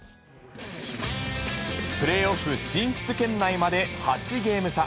プレーオフ進出圏内まで８ゲーム差。